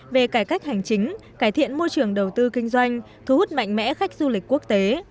về cải cách hành chính cải thiện môi trường đầu tư kinh doanh thu hút mạnh mẽ khách du lịch quốc tế